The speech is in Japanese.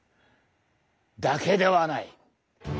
だけではない。